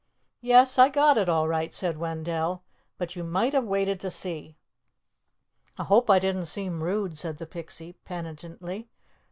"Yes, I got it all right," said Wendell. "But you might have waited to see." "I hope I didn't seem rude," said the Pixie, penitently.